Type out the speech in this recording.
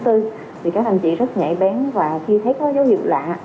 thì các anh chị rất nhạy bén và khi thấy có dấu hiệu lạ